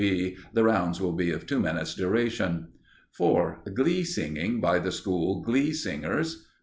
B. The rounds will be of two minutes' duration. 4. Glee Singing by the School Glee Singers.